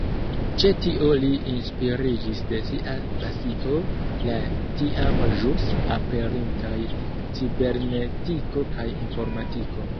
Ĉe tio li inspiriĝis de sia pasio, la tiam ĵus aperintaj cibernetiko kaj informatiko.